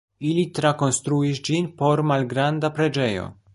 Ili trakonstruis ĝin por malgranda preĝejo.